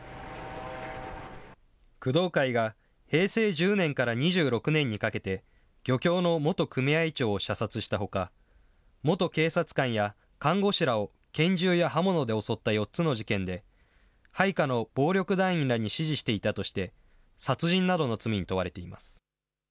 工藤会が平成１０年から２６年にかけて、漁協の元組合長を射殺したほか、元警察官や看護師らを拳銃や刃物で襲った４つの事件で、配下の暴力団員らに指示していたとして、殺人などの罪に問われています。